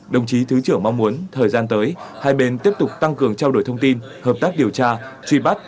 đồng chí thứ trưởng mong muốn thời gian tới hai bên tiếp tục tăng cường trao đổi thông tin hợp tác điều tra truy bắt